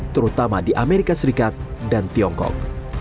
terutama di amerika serikat dan tiongkok